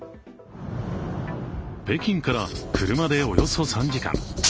北京から、車でおよそ３時間。